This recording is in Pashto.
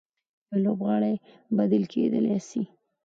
يو لوبغاړی بديل کېدلای سي.